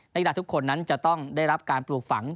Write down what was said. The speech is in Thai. กีฬาทุกคนนั้นจะต้องได้รับการปลูกฝัง